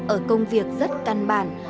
ở công việc rất căn bản